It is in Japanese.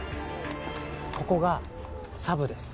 ここがサブです。